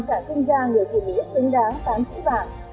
đã sinh ra người phụ nữ xứng đáng tám chữ vàng